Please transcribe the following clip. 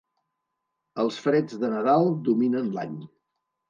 Els freds de Nadal dominen l'any.